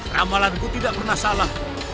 ramalanku tidak pernah salah